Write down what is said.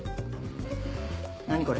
何これ？